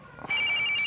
aku udah kenal